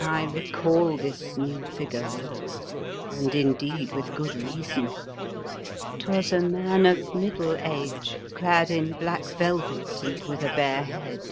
I recall this new figure well, and, in deed, with good reason. 'Twas a man of middle age, clad in black velvet, and 72 The Fearsome Island with a bare head.